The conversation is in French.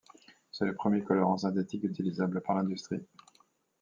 C'est le premier colorant synthétique utilisable par l'industrie.